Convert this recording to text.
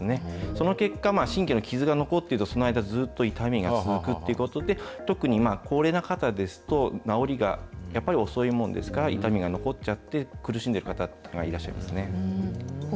その結果、神経の傷が残っていると、その間ずっと痛みが続くっていうことで、特に、高齢な方ですと、治りがやっぱり遅いものですから、痛みが残っちゃって、苦しんでいる方がいらっしゃいますね。